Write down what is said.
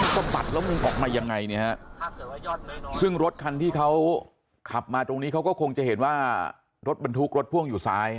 สมตัดแล้วมึงออกมายังไงเนี่ย